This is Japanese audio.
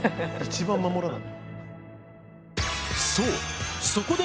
一番守らな。